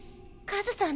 カズさん！